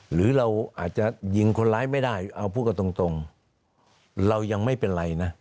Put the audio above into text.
หรือเราอาจจะยิงคนร้ายไม่ได้เอาพูดกันตรงเรายังไม่เป็นไรนะ